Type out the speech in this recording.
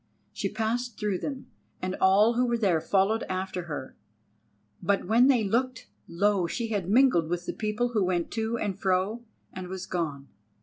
She passed through them, and all who were there followed after her. But when they looked, lo! she had mingled with the people who went to and fro and was gone.